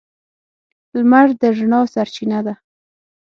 • لمر د رڼا سرچینه ده.